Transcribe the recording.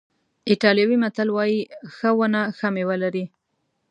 ایټالوي متل وایي ښه ونه ښه میوه لري.